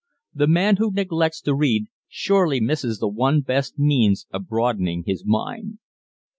The man who neglects to read surely misses the one best means of broadening his mind.